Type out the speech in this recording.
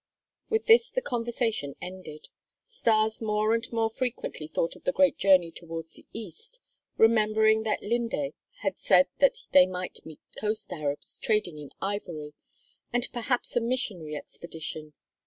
With this the conversation ended. Stas more and more frequently thought of the great journey towards the east, remembering that Linde had said that they might meet coast Arabs trading in ivory, and perhaps a missionary expedition.